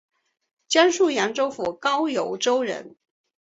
江苏扬州府高邮州人。